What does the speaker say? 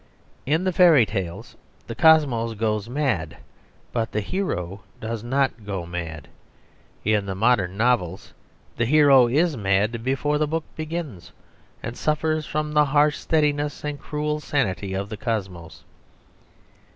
In the fairy tales the cosmos goes mad; but the hero does not go mad. In the modern novels the hero is mad before the book begins, and suffers from the harsh steadiness and cruel sanity of the cosmos.